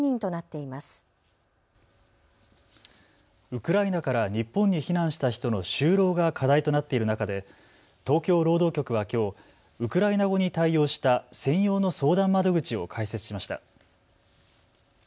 ウクライナから日本に避難した人の就労が課題となっている中で東京労働局はきょう、ウクライナ語に対応した専用の相談窓口を開設しました。